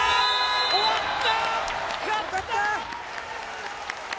終わった！